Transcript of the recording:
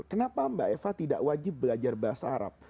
kenapa mbak eva tidak wajib belajar bahasa arab